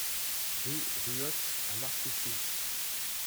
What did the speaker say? Rue Ruotte à Marcoussis